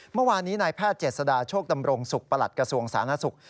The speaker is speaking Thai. เมื่อวานนี้นายแพทย์เจษฎาโชคดำรงสุขประหลัดกระทรวงสาธารณสุข